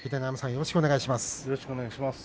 よろしくお願いします。